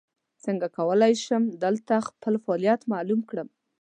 څنګه کولی شم دلته خپل فعالیت معلوم کړم ؟